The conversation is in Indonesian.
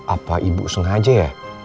apa ibu sengaja ya